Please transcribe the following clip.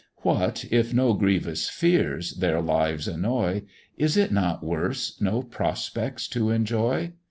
What, if no grievous fears their lives annoy, Is it not worse no prospects to enjoy?